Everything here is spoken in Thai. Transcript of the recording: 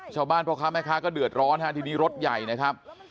พ่อค้าแม่ค้าก็เดือดร้อนฮะทีนี้รถใหญ่นะครับ